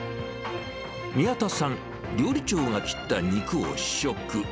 宮田さん、料理長が切った肉を試食。